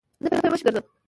زه په یوه شي پسې گرځم